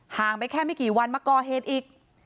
งไปแค่ไม่กี่วันมาก่อเหตุอีก